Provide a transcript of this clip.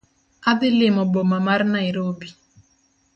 Adhi limo boma mar Nairobi